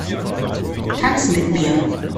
Tanz mit mir!